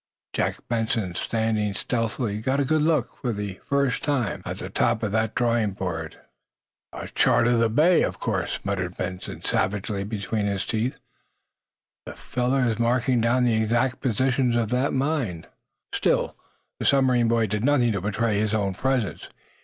Jack Benson, standing stealthily, got a good look, for the first time, at the top of that drawing board. "A chart of the bay, of course," muttered Benson, savagely, between his teeth. "The fellow is marking down the exact position of that mine!" Still, the submarine boy did nothing to betray his own presence.